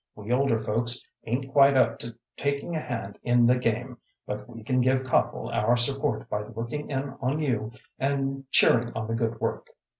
We older folks ain't quite up to taking a hand in the game, but we can give Copple our support by looking in on you and cheering on the good work."